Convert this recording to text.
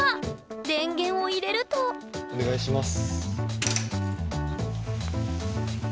電源を入れるとお願いします。